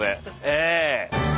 ええ。